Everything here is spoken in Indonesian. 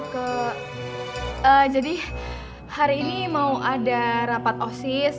ke jadi hari ini mau ada rapat osis